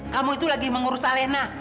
kamu itu lagi mengurus salena